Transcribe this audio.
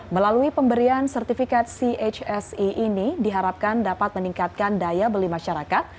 melalui pemberian sertifikat chse ini diharapkan dapat meningkatkan daya beli masyarakat